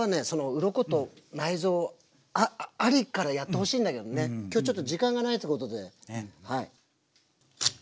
うろこと内臓ありからやってほしいんだけどね今日ちょっと時間がないっつうことで。